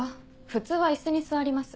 普通は椅子に座ります。